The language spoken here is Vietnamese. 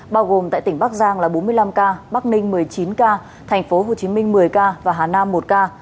bao gồm tại tỉnh bắc giang là bốn mươi năm ca bắc ninh một mươi chín ca tp hcm một mươi ca và hà nam một ca